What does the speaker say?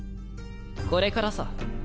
これからさ。